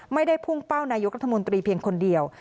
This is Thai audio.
ไม่ได้พุ่งเป้านายกรัฐมนตรีเพียงคนเดียว